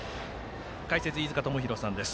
解説、飯塚智広さんです。